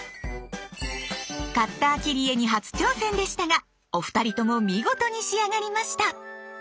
カッター切り絵に初挑戦でしたがお二人とも見事に仕上がりました。